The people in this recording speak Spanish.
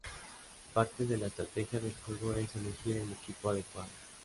Parte de la estrategia del juego es elegir el equipo adecuado.